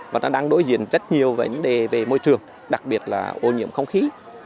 và đang đối diện rất nhiều vấn đề về môi trường đặc biệt là ô nhiễm không khí